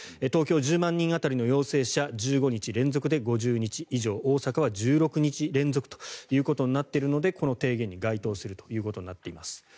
東京は１０万人当たりの陽性者１５日連続で５０人以上大阪は１６日連続となっているのでこの提言に該当するということになっています。